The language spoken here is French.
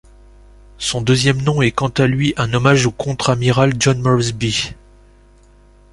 Son deuxième nom est quant à lui un hommage au contre-amiral John Moresby.